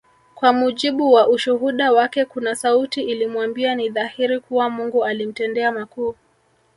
Kwa mujibu wa ushuhuda wake kuna sauti ilimwambia ni dhahiri kuwa Mungu alimtendea makuu